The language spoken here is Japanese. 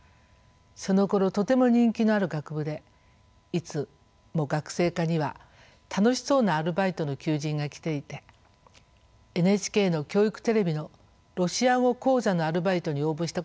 そのころとても人気のある学部でいつも学生課には楽しそうなアルバイトの求人が来ていてＮＨＫの教育テレビの「ロシア語講座」のアルバイトに応募したこともありました。